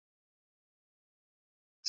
ستا له ښاره قاصد راغی په سرو سترګو یې ژړله ,